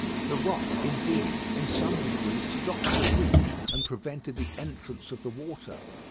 The rock, indeed, in some degree stopped the breach and prevented the entrance of the water.